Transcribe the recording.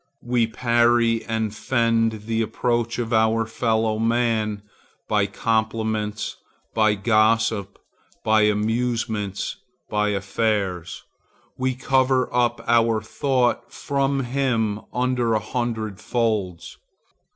We parry and fend the approach of our fellow man by compliments, by gossip, by amusements, by affairs. We cover up our thought from him under a hundred folds.